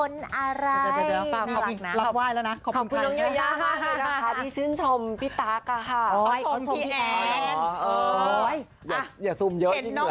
น่ารักเกินปุ๋ยมุยอุ้ยนี่คนอัย